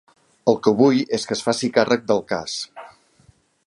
El que vull és que es faci càrrec del cas.